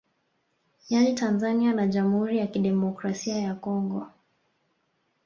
Yani Tanzania na Jamhuri ya Kidemokrasia ya Congo